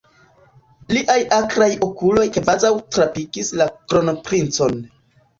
Liaj akraj okuloj kvazaŭ trapikis la kronprincon.